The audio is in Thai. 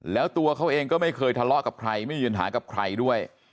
แล้วตัวเขาเองก็ไม่เคยทะเลาะกับใครไม่มีปัญหากับใครด้วย